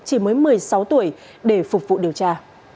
chỉ mới một mươi sáu tuổi để phục vụ điều tra